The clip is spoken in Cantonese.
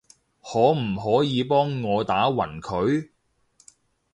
可唔可以幫我打暈佢？